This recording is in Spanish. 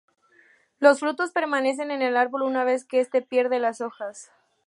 Los frutos permanecen en el árbol una vez que este pierde las hojas.